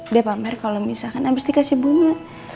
dia pamer kalau misalkan ambs dikasih bunga